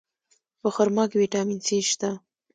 په خرما کې ویټامین C شته.